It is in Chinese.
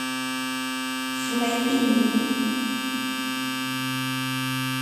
弗雷蒂尼。